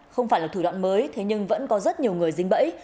không phải là thủ đoạn mới thế nhưng vẫn có rất nhiều người dính bẫy